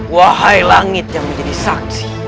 wahai langit yang menjadi saksi